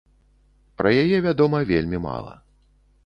Пра яе вядома вельмі мала.